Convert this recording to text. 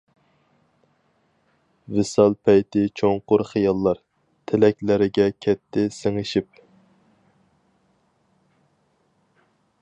ۋىسال پەيتى چوڭقۇر خىياللار، تىلەكلەرگە كەتتى سىڭىشىپ.